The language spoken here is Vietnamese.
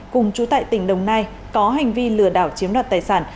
cùng chú tại tỉnh đồng nai có hành vi lừa đảo chiếm đoạt tài sản